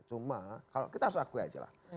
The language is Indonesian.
cuma kalau kita harus akui aja lah